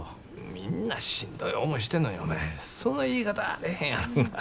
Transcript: みんなしんどい思いしてんのにお前その言い方はあれへんやろが。